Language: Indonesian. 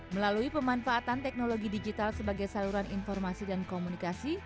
melalui pemanfaatan teknologi digital sebagai saluran informasi dan komunikasi